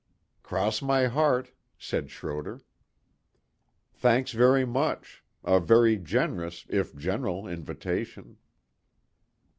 "Cross my heart," said Schroder. "Thanks very much. A very generous, if general invitation."